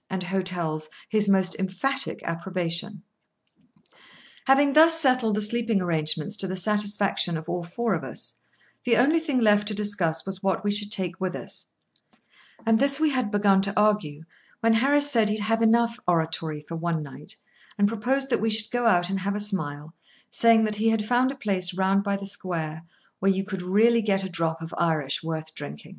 and hotels his most emphatic approbation. Having thus settled the sleeping arrangements to the satisfaction of all four of us, the only thing left to discuss was what we should take with us; and this we had begun to argue, when Harris said he'd had enough oratory for one night, and proposed that we should go out and have a smile, saying that he had found a place, round by the square, where you could really get a drop of Irish worth drinking.